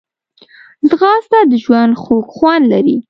ځغاسته د ژوند خوږ خوند لري